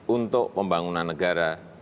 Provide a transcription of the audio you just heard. untuk pembangunan negara